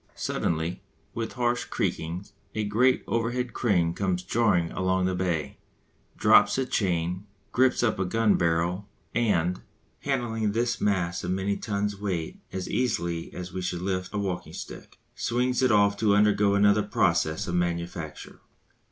Suddenly, with harsh creakings, a great overhead crane comes jarring along the bay, drops a chain, grips up a gun barrel, and, handling this mass of many tons' weight as easily as we should lift a walking stick, swings it off to undergo another process of manufacture.